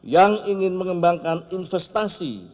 yang ingin mengembangkan investasi